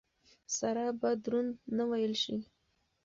سره به دروند نه وېل شي.